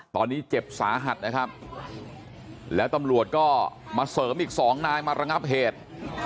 ตอนนี้เจ็บสาหัสนะครับแล้วตำรวจก็มาเสริมอีกสองนายมาระงับเหตุ